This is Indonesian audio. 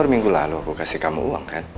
minggu lalu aku kasih kamu uang kan